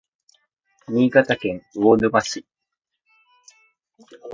新潟県魚沼市